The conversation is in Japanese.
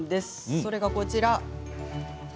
それがこちらです。